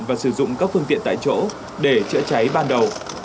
và sử dụng các phương tiện tại chỗ để chữa cháy ban đầu